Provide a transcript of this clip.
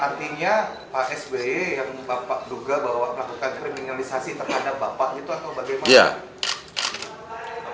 artinya pak sbi yang bapak duga melakukan kriminalisasi terhadap bapak itu atau bagaimana